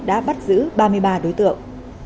đã bắt giữ ba mươi ba đối tượng